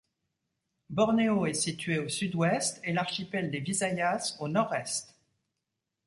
Bornéo est située au sud-ouest et l'archipel des Visayas au nord-est.